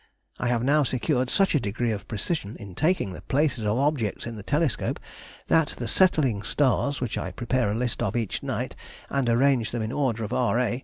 I have now secured such a degree of precision in taking the places of objects in the telescope, that the settling stars (which I prepare a list of each night and arrange them in order of R. A.